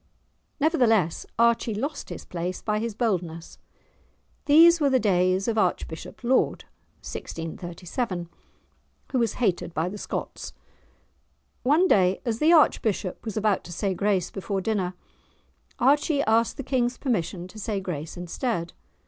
Nevertheless, Archie lost his place by his boldness. These were the days of Archbishop Laud (1637), who was hated by the Scots. One day, as the archbishop was about to say grace before dinner, Archie asked the King's permission to say grace instead.